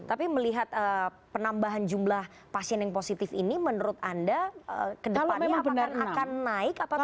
tapi melihat penambahan jumlah pasien yang positif ini menurut anda ke depannya apakah akan naik atau tidak